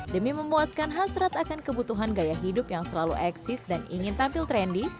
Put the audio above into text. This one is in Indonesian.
demi memuaskan hasrat akan kebutuhan gaya hidup yang selalu eksis dan ingin tampil trendy